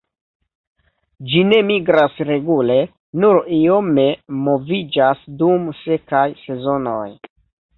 Ĝi ne migras regule, nur iome moviĝas dum sekaj sezonoj.